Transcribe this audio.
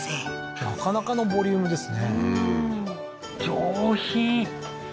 なかなかのボリュームですね